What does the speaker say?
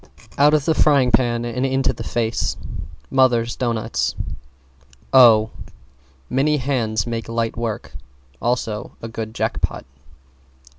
Out of the frying pan into the face Mothers' doughnuts. O Many hands make light work also a good Jackpot.